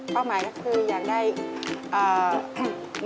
หมายก็คืออยากได้